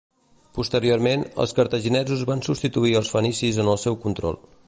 Posteriorment, els cartaginesos van substituir als fenicis en el seu control.